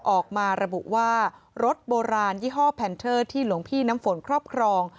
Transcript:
ออกมาระบุว่ารถโบราณยี่ห้อแพนเทอร์ที่หลวงพี่น้ำฝนครอบครอง